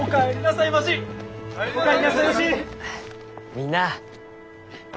みんなあ。